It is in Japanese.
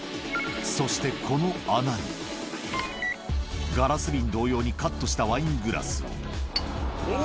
そしてこの穴に、ガラス瓶同様にカットしたワイングラスを。